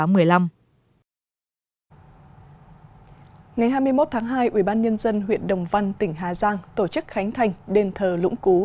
ngày hai mươi một tháng hai ủy ban nhân dân huyện đồng văn tỉnh hà giang tổ chức khánh thành đền thờ lũng cú